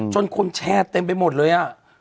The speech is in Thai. จนคนแชร์เต็มไปหมดเลย